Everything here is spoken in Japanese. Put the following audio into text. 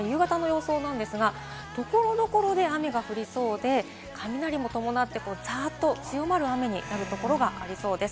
夕方の予想なんですが、所々で雨が降りそうで、雷も伴って、ザッと強まる雨になるところがありそうです。